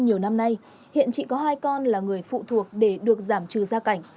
nhiều năm nay hiện chị có hai con là người phụ thuộc để được giảm trừ gia cảnh